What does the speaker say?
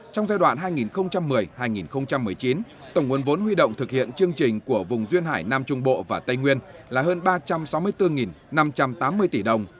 trong giai đoạn hai nghìn một mươi hai nghìn một mươi chín tổng nguồn vốn huy động thực hiện chương trình của vùng duyên hải nam trung bộ và tây nguyên là hơn ba trăm sáu mươi bốn năm trăm tám mươi tỷ đồng